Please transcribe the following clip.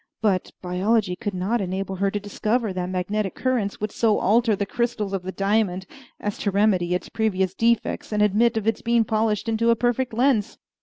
But biology could not enable her to discover that magnetic currents would so alter the crystals of the diamond as to remedy its previous defects and admit of its being polished into a perfect lens.